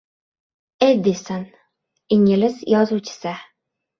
Addison, ingliz yozuvchisi